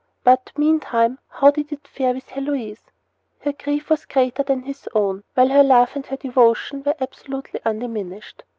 But, meantime, how did it fare with Heloise? Her grief was greater than his own, while her love and her devotion were absolutely undiminished.